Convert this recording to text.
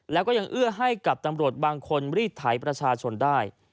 แล้วก็ยังเอื้อให้กับตำรวจบางคนรีดไถประชาชนได้